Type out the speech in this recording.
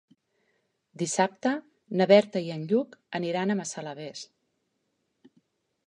Dissabte na Berta i en Lluc aniran a Massalavés.